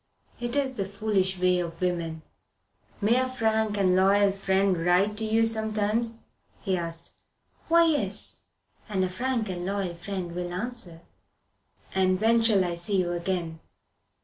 It is the foolish way of women. "May a frank and loyal friend write to you sometimes?" he asked. "Why, yes. And a frank and loyal friend will answer." "And when shall I see you again?"